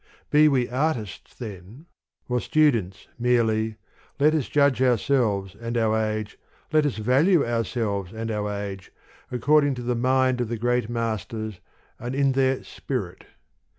Be we artists then, or students merely, let us judge ourselves and our age, let us value ourselves and our age, according to the mind of the great masters, and in their spirit.